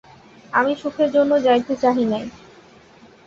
আমি সুখের জন্য যাইতে চাহি নাই।